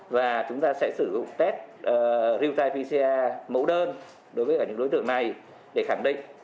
và chúng ta sẽ sử dụng test real time pcr mẫu đơn đối với cả những đối tượng này để khẳng định